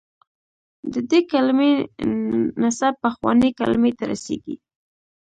د دې کلمې نسب پخوانۍ کلمې ته رسېږي.